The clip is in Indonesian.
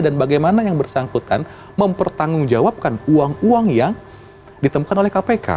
dan bagaimana yang bersangkutan mempertanggungjawabkan uang uang yang ditemukan oleh kpk